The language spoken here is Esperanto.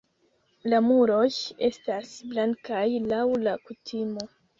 La muroj estas blankaj laŭ la kutimo.